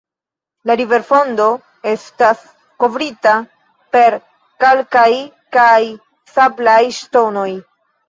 La riverfundo estas kovrita per kalkaj kaj sablaj ŝtonoj.